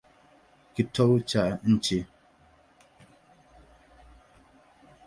Iko katika kitovu cha nchi.